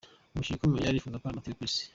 Umukinnyi ukomeye arifuza gukora amateka kw’isi